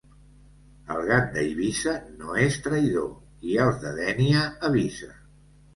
El gat d'Eivissa no és traïdor... i als de Dénia avisa.